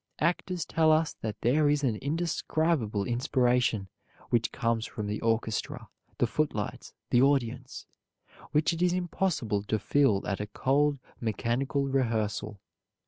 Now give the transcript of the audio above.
Actors tell us that there is an indescribable inspiration which comes from the orchestra, the footlights, the audience, which it is impossible to feel at a cold mechanical rehearsal.